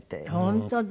本当だ。